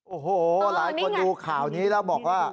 โอ้โหหลายคนดูข่าวนี้แล้วบอกว่า